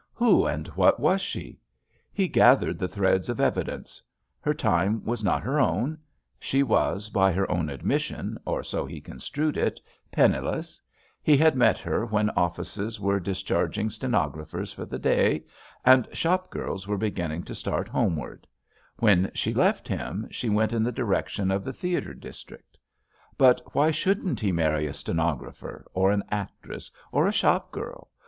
Who and what was she? He gathered the threads of evi dence: her time was not her own; she was, by her own admission, or so he construed it, penniless; he had met her when offices were discharging stenographers for the day, and shop girls were beginning to start homeward; when she left him, she went in the direction of the theater district. But why shouldn't he marry a stenographer, or an actress, or a shop girl